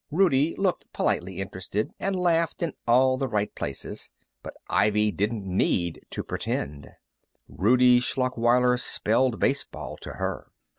Rudie looked politely interested, and laughed in all the right places. But Ivy didn't need to pretend. Rudie Schlachweiler spelled baseball to her.